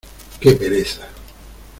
¡Qué pereza!